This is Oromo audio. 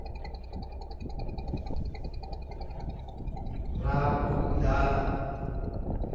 raagduu ilaalaa .